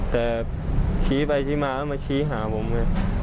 แต่ชี้ไปชี้มาแล้วมาชี้หาผมเนี่ย